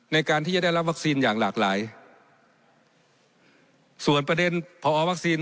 ในการที่จะได้รับวัคซีนอย่างหลากหลายส่วนประเด็นพอวัคซีน